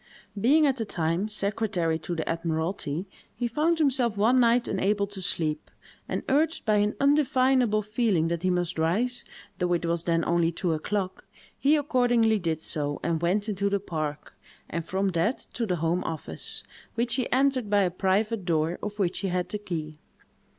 Being, at the time, secretary to the admiralty, he found himself one night unable to sleep, and urged by an undefinable feeling that he must rise, though it was then only two o'clock. He accordingly did so, and went into the park, and from that to the home office, which he entered by a private door, of which he had the key.